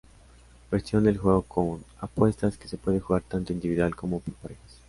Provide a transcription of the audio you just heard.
Versión del juego con apuestas que se puede jugar tanto individual como por parejas.